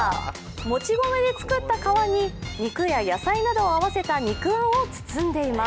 餅米で作った皮に肉や野菜などを合わせた肉あんを包んでいます。